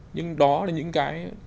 nhưng đó là những cái